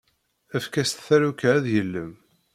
Efk-as taruka ad yellem.